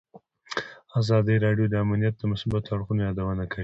ازادي راډیو د امنیت د مثبتو اړخونو یادونه کړې.